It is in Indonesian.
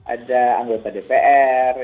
ada anggota dpr